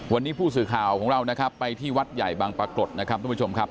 วันนี้ผู้สื่อข่าวของเรานะครับไปที่วัดใหญ่บางปรากฏนะครับทุกผู้ชมครับ